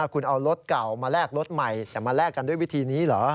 คุณเอารถเก่ามาแลกรถใหม่แต่มาแลกกันด้วยวิธีนี้เหรอ